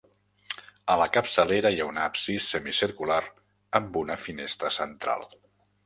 A la capçalera hi ha un absis semicircular, amb una finestra central.